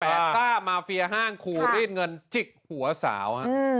แปดต้ามาเฟียห้างคูรีดเงินจิ๊กหัวสาว